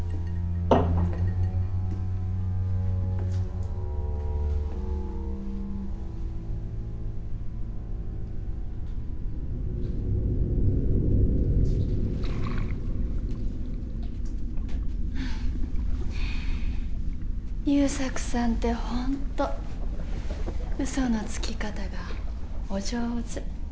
フフ優作さんって本当うそのつき方がお上手。